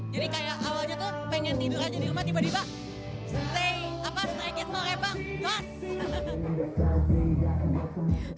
jadi kayak awalnya tuh pengen tidur aja di rumah tiba tiba stay apa stay gets more bang